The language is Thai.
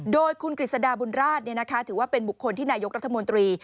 โดยคุณกฤษฎาบุญราชถือว่าเป็นบุคคลที่นายกรัฐมนตรี